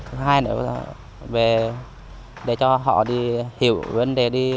thứ hai là để cho họ hiểu vấn đề đi